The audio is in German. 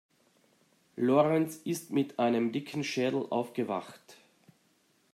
Lorenz ist mit einem dicken Schädel aufgewacht.